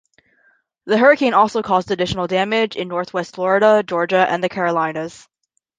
The hurricane also caused additional damage in northwest Florida, Georgia, and the Carolinas.